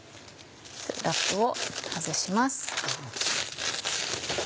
ラップを外します。